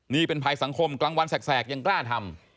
นี่เป็นภัยสังคมกลางวันแสกยังกล้าทำ